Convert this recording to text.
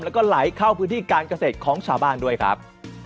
แล้วก็ไหลเข้าพื้นที่การเกษตรของชาวบ้านด้วยครับ